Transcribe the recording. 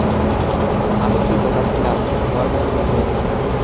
আমি কি বোকা ছিলাম, মরগান বলল।